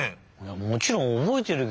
もちろんおぼえてるけど。